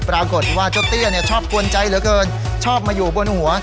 ปรากฏว่าเจ้าเตี้ยเนี่ยชอบกวนใจเหลือเกินชอบมาอยู่บนหัว